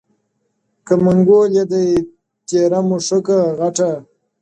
که منګول یې دی تېره مشوکه غټه،